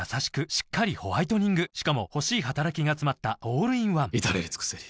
しっかりホワイトニングしかも欲しい働きがつまったオールインワン至れり尽せり